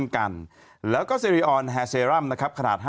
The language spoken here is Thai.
คุณผู้ชมครับ